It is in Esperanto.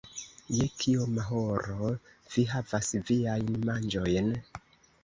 Je kioma horo vi havas viajn manĝojn?